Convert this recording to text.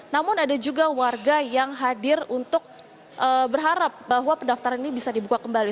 namun ada juga warga yang hadir untuk berharap bahwa pendaftaran ini bisa dibuka kembali